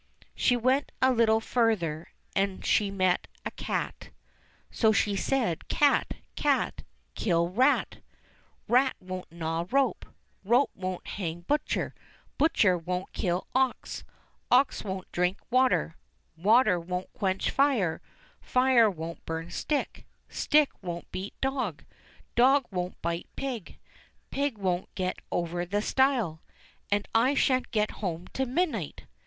She went a little further, and she met a cat. So she said, "Cat ! cat ! kill rat ; rat won't gnaw rope ; rope won't hang butcher ; butcher won't kill ox ; ox won't drink water ; water won't quench fire ; fire won't burn stick ; stick won't beat dog ; dog won't bite pig ; pig won't get over the stile ; and I shan't get home till midnight."